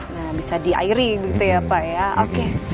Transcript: nah bisa diairi gitu ya pak ya